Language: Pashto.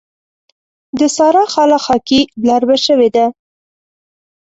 د سارا خاله خاکي بلاربه شوې ده.